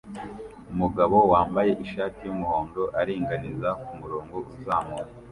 Umugabo wambaye ishati yumuhondo aringaniza kumurongo uzamuye